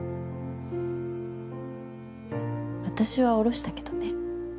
私は下ろしたけどね。